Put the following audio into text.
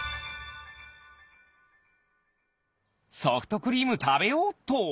ソフトクリームたべようっと！